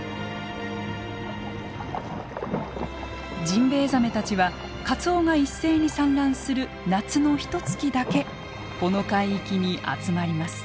ジンベエザメたちはカツオが一斉に産卵する夏のひとつきだけこの海域に集まります。